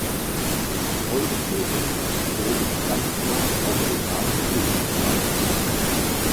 In Euskirchen wurde die Dampflok auf den Namen Schnuffi getauft.